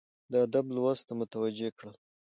د ادب لوست ته متوجه کړل،